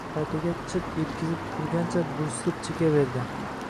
Qaytaga, chirt etkizib tupurgancha, burqsitib chekaverdi